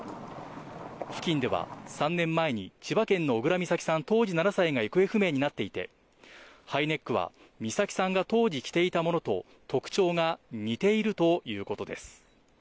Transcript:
付近では３年前に、千葉県の小倉美咲さん当時７歳が行方不明になっていて、ハイネックは、美咲さんが当時着ていたものと特徴が似ているということです。